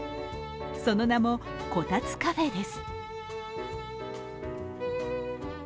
その名も、こたつカフェです。